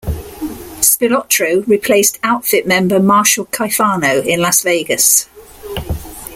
Spilotro replaced Outfit member Marshall Caifano in Las Vegas.